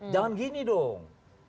jangan gini dong